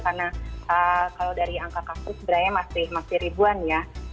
karena kalau dari angka kasus beranya masih ribuan ya